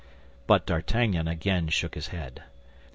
But D'Artagnan again shook his head.